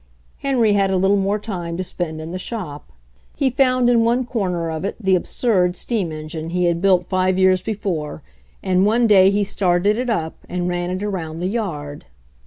Henry had a little more time to spend in the shop. He found in one corner of it the absurd steam engine he 38 HENRY FORD'S OWN STORY had built five years before, and one day he started it up and ran it around the yard.